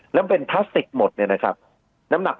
แล้วมันเป็นพลาสติกหมดเนี่ยนะครับ